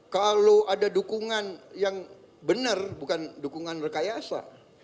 kalau ada dukungan yang benar bukan dukungan rekayasa